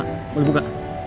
elsa boleh buka